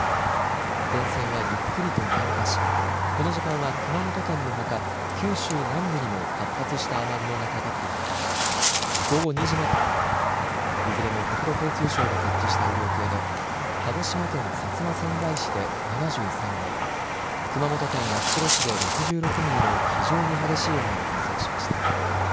前線はゆっくりと南下しこの時間は熊本県のほか九州南部にも発達した雨雲がかかっていて午後２時までの１時間にはいずれも国土交通省が設置した雨量計で鹿児島県薩摩川内市で７３ミリ、熊本県八代市で６６ミリの非常に激しい雨を観測しました。